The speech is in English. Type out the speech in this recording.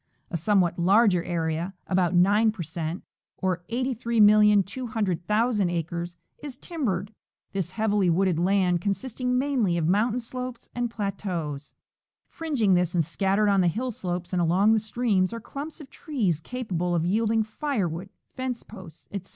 A somewhat larger area — about 9 per cent, or 83,200,000 acres — is timbered, this heavily wooded land consisting mainly of moun tain slopes and plateaus. Fringing this and scattered on the hill slopes and along the streams are clumps of trees capable of yielding firewood, fence posts, etc.